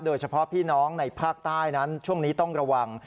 โดยเฉพาะพี่น้องในภาคใต้นั้นช่วงนี้ต้องระวัง